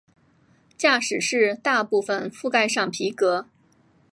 驾驶室大部份覆盖上皮革。